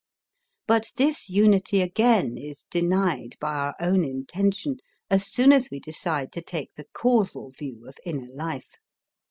But this unity again is denied by our own intention as soon as we decide to take the causal view of inner life.